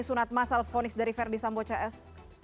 sunat masal fonis dari verdi sambo cs